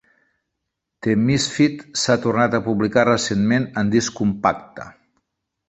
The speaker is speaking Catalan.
"The Misfit" s'ha tornat a publicar recentment en disc compacte.